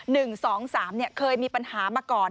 ๑๒๓เนี่ยเคยมีปัญหามาก่อน